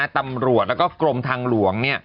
ตำรวจและกรมทางหลวง